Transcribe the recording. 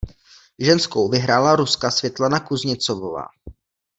Ženskou vyhrála Ruska Světlana Kuzněcovová.